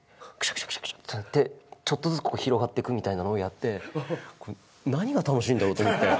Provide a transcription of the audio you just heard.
くしゃくしゃってなってちょっとずつ広がってくみたいなのをやって「何が楽しいんだろう？」と思って。